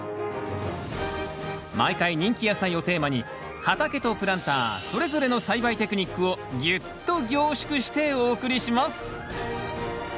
毎回人気野菜をテーマに畑とプランターそれぞれの栽培テクニックをぎゅっと凝縮してお送りします。